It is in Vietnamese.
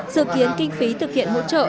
dự kiến kinh phí thực hiện hỗ trợ